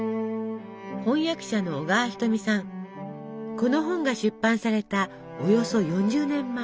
この本が出版されたおよそ４０年前。